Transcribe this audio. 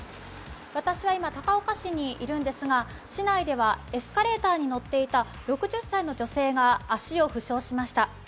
私は今、高岡市にいるんですが市内ではエスカレーターに乗っていた６０歳の女性が足を負傷しました。